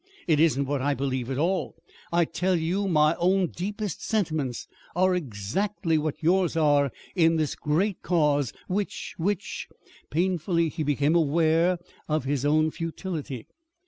It isn't what I believe at all. I tell you my own deepest sentiments are exactly what yours are in this great cause which which " Painfully he became aware of his own futility.